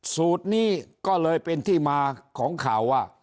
สูตรนี้ก็เลยเป็นที่มาของข่าวว่า